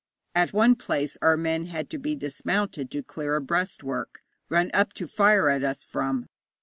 At one place our men had to be dismounted to clear a breastwork, run up to fire at us from.